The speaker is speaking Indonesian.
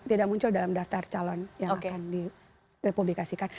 tidak muncul dalam daftar calon yang akan direpublikasikan